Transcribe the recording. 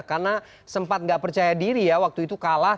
karena sempat nggak percaya diri ya waktu itu kalah